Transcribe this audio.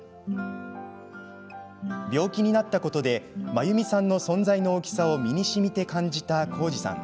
病気になったことで真由美さんの存在の大きさを身にしみて感じた浩二さん。